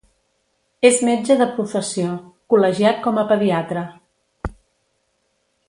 És metge de professió, col·legiat com a pediatre.